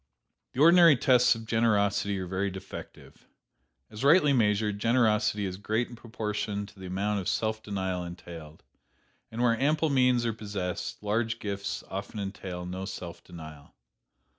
"The ordinary tests of generosity are very defective. As rightly measured, generosity is great in proportion to the amount of self denial entailed; and where ample means are possessed, large gifts often entail no self denial.